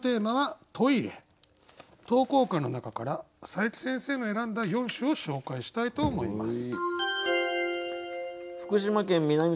投稿歌の中から佐伯先生の選んだ４首を紹介したいと思います。